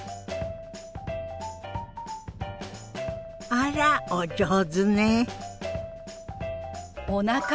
あらお上手ね。